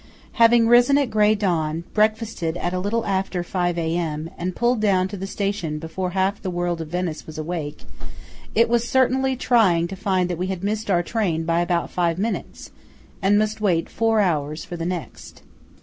HAVING risen at grey dawn, breakfasted at a little after 5 A.M., and pulled down to the station before half the world of Venice was awake, it was certainly trying to find that we had missed our train by about five minutes, and must wait four hours for the next.